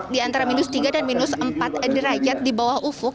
di antara minus tiga dan minus empat derajat di bawah ufuk